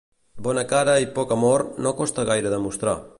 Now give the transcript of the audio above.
Bona cara i poc amor no costa gaire de mostrar.